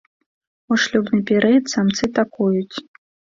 У шлюбны перыяд самцы такуюць.